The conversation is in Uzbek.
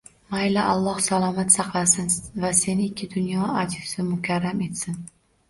Mayli, Alloh salomat saqlasin va seni ikki dunyoda azizu mukarram etsin!..